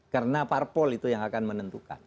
karena parpol itu yang akan menentukan